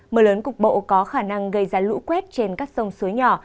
mưa lớn cục bộ có khả năng gây ra lũ quét trên các sông suối nhỏ